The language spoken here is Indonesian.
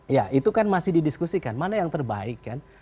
ya itu kan masih didiskusikan mana yang terbaik kan